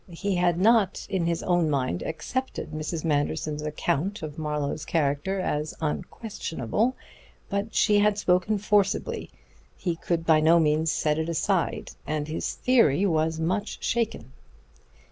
He had not in his own mind accepted Mrs. Manderson's account of Marlowe's character as unquestionable. But she had spoken forcibly; he could by no means set it aside, and his theory was much shaken.